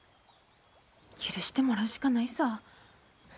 許してもらうしかないさぁ。